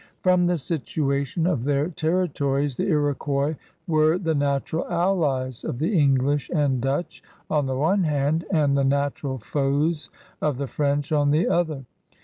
From the situation of their territories, the Iroquois were the natural allies of the English and Dutch on the one hand, and the natural foes of the French on the other.